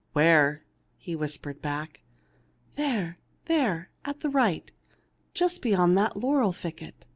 " Where ?" he whispered back, " There ! there ! at the right ; just beyond that laurel thicket.